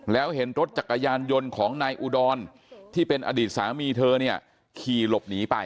แล้วเห็นรถจักรยานยนต์ของนายอุดรที่เป็นอดีตสามีเธอเนี่ยขี่หลบหนีไป